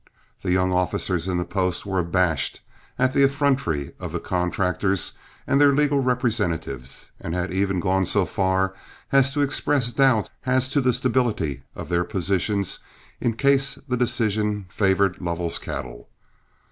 The younger officers in the post were abashed at the effrontery of the contractors and their legal representatives, and had even gone so far as to express doubts as to the stability of their positions in case the decision favored Lovell's cattle.